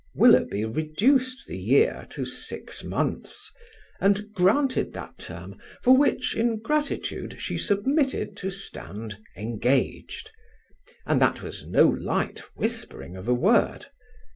Willoughby reduced the year to six months, and granted that term, for which, in gratitude, she submitted to stand engaged; and that was no light whispering of a word.